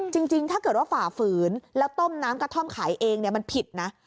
จริงถ้าเกิดว่าฝ่าฝืนแล้วต้มน้ำกระท่อมขายเองมันผิดนะ